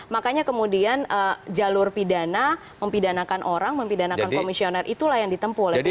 makanya kemudian jalur pidana mempidanakan orang mempidanakan komisioner itulah yang ditempuh